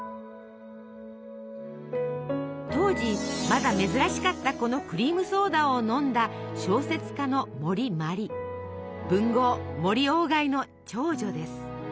当時まだ珍しかったこのクリームソーダを飲んだ小説家の文豪森鴎外の長女です。